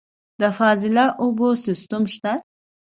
د فاضله اوبو سیستم شته؟